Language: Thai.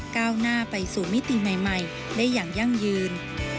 ก้าวหน้าไปสู่มิติใหม่ได้อย่างยั่งยืน